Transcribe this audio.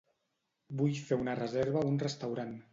Vull fer una reserva a un restaurant.